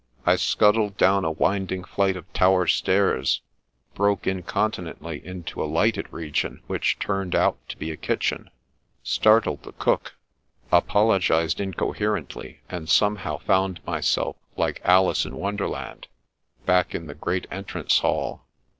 I scut tled down a winding flight of tower stairs, broke incontinently into a lighted region which turned out to be a kitchen, startled the cook, apologised inco herently, and somehow found myself, like Alice in Wonderland, back in the great entrance hall.